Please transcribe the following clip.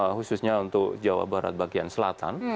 khususnya untuk jawa barat bagian selatan